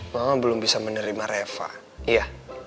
mama belum bisa menerima reva iya